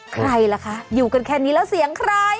ใครล่ะคะอยู่กันแค่นี้แล้วเสียงใคร